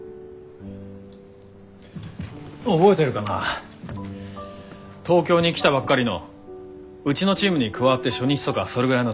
覚えてるかな東京に来たばっかりのうちのチームに加わって初日とかそれぐらいの時。